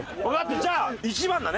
じゃあ１番だね。